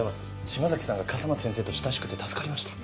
島崎さんが笠松先生と親しくて助かりました。